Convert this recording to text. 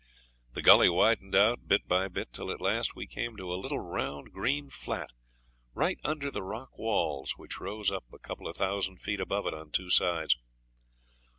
The gully widened out bit by bit, till at last we came to a little round green flat, right under the rock walls which rose up a couple of thousand feet above it on two sides.